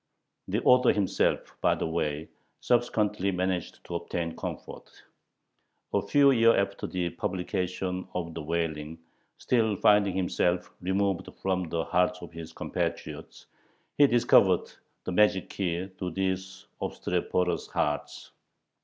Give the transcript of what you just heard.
The author himself, by the way, subsequently managed to obtain comfort. A few years after the publication of the "Wailing," still finding himself "removed from the hearts of his compatriots," he discovered the magic key to these obstreperous hearts.